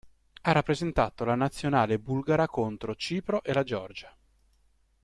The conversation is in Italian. Ha rappresentato la Nazionale bulgara contro Cipro e la Georgia.